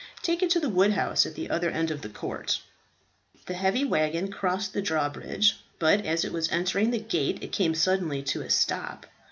Take it to the wood house at the other end of the court." The heavy waggon crossed the drawbridge, but as it was entering the gate it came suddenly to a stop.